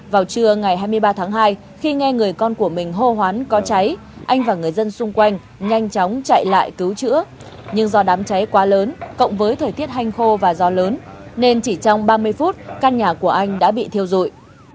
vào trưa ngày hai mươi ba tháng hai khi nghe người con của mình hô hoán có cháy anh và người dân xung quanh nhanh chóng chạy lại cứu chữa nhưng do đám cháy quá lớn cộng với thời tiết hanh khô và gió lớn nên chỉ trong ba mươi phút căn nhà của anh đã bị thiêu rụi